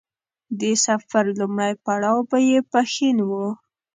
د سفر لومړی پړاو به يې پښين و.